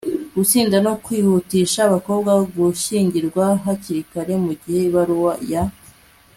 gusinda no kwihutisha abakobwa gushyingirwa hakiri kare. mugihe ibaruwa ya